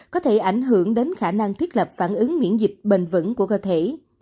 có thể ảnh hưởng đến khả năng thiết lập phản ứng miễn dịch bền vững của cơ thể